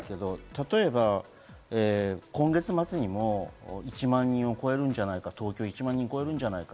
例えば、今月末にも１万人を超えるんじゃないか、東京は。